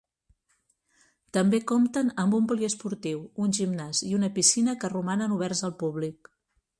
També compten amb un poliesportiu, un gimnàs i una piscina que romanen oberts al públic.